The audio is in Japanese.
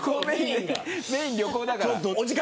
メーン、旅行だから。